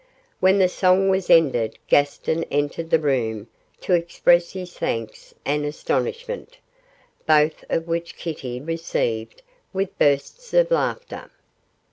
When the song was ended Gaston entered the room to express his thanks and astonishment, both of which Kitty received with bursts of laughter.